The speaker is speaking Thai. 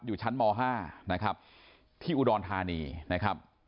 อยู่ชั้นม๕นะครับที่อุดรธานีนะครับ